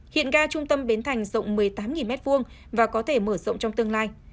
hiện ga trung tâm bến thành rộng một mươi tám m hai và có thể mở rộng trong tương lai